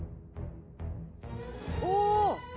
お。